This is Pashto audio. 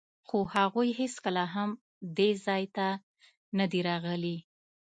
خو هغوی هېڅکله هم دې ځای ته نه دي راغلي.